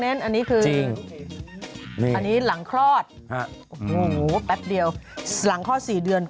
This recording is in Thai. อันนี้คืออันนี้หลังคลอดโอ้โหแป๊บเดียวหลังคลอด๔เดือน